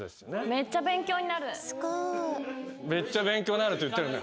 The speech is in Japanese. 「めっちゃ勉強になる」って。